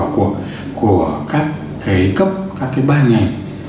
của các cái cấp các cái ba ngành